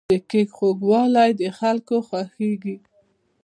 د کیک خوږوالی د خلکو خوښیږي.